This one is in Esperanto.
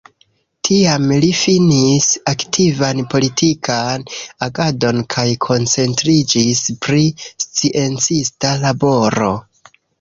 Tiam li finis aktivan politikan agadon kaj koncentriĝis pri sciencista laboro.